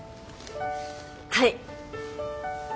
はい。